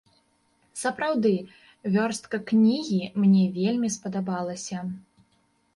Сапраўды, вёрстка кнігі мне вельмі спадабалася.